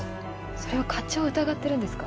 それは課長を疑ってるんですか？